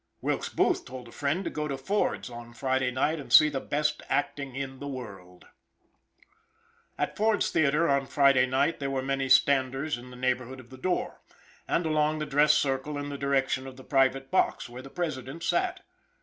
Wilkes Booth told a friend to go to Ford's on Friday night and see the best acting in the world. At Ford's theater, on Friday night, there were many standers in the neighborhood of the door, and along the dress circle in the direction of the private box where the President sat.